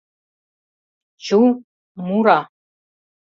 — Чу... мура...